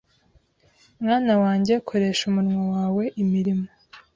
Mwana wanjye, koresha umunwa wawe imirimo